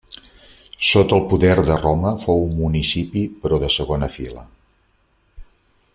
Sota el poder de Roma fou un municipi però de segona fila.